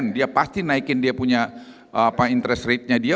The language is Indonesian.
dia pasti naikin dia punya interest rate nya dia